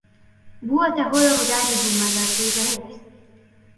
بووەتە هۆی ڕوودانی بوومەلەرزەی بەهێز